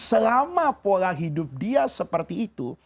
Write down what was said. selama pola hidup dia seperti itu